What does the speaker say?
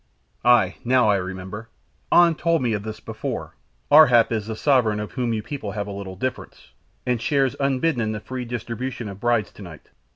"Ay, now I remember; An told me of this before; Ar hap is the sovereign with whom your people have a little difference, and shares unbidden in the free distribution of brides to night.